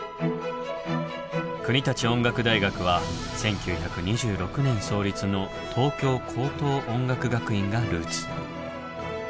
国立音楽大学は１９２６年創立の東京高等音楽学院がルーツ。